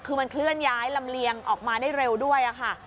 คือมันเคลื่อนย้ายลำเลียงออกมาได้เร็วด้วยค่ะ